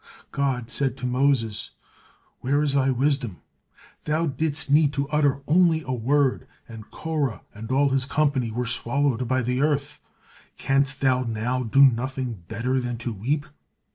God said to Moses: "Where is thy wisdom? Thou didst need to utter only one word, and Korah and all his company were swallowed by the earth. Canst thou now do nothing better than to weep?"